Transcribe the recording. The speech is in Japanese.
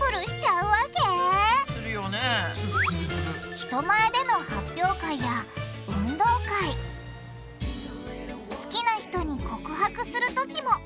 人前での発表会や運動会好きな人に告白するときも！